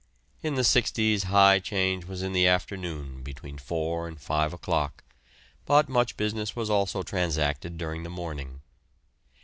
In the 'sixties high 'change was in the afternoon between four and five o'clock, but much business was also transacted during the morning.